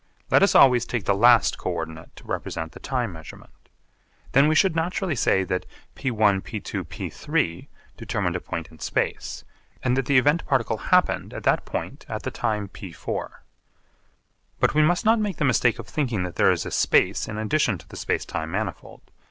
Let us always take the last co ordinate to represent the time measurement. Then we should naturally say that (p₁, p₂, p₃) determined a point in space and that the event particle happened at that point at the time p₄. But we must not make the mistake of thinking that there is a space in addition to the space time manifold.